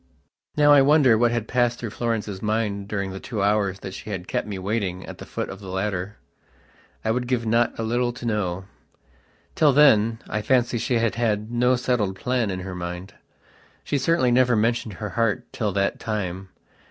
Now I wonder what had passed through Florence's mind during the two hours that she had kept me waiting at the foot of the ladder. I would give not a little to know. Till then, I fancy she had had no settled plan in her mind. She certainly never mentioned her heart till that time.